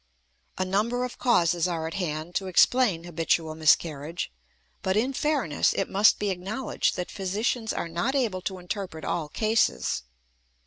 A number of causes are at hand to explain habitual miscarriage, but, in fairness, it must be acknowledged that physicians are not able to interpret all cases.